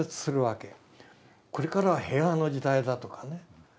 これからは平和の時代だとかね